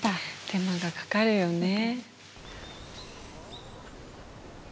手間がかかるよね。